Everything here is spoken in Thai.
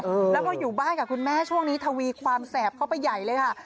เออแล้วก็อยู่บ้านกับคุณแม่ช่วงนี้ทวีความแสบเข้าไปใหญ่เลยค่ะ